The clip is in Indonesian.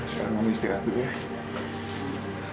sekarang mau istirahat dulu ya